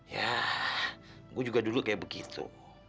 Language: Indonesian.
ya gue juga dulu kayak begitu